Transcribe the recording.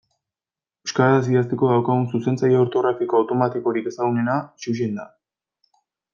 Euskaraz idazteko daukagun zuzentzaile ortografiko automatikorik ezagunena Xuxen da.